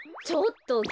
ちょっと！